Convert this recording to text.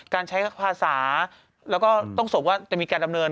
การใช้ภาษาแล้วก็ต้องส่งว่าจะมีการดำเนิน